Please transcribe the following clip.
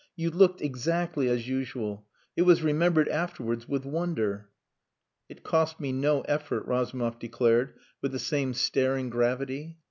You looked exactly as usual. It was remembered afterwards with wonder...." "It cost me no effort," Razumov declared, with the same staring gravity.